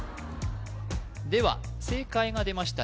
では正解が出ました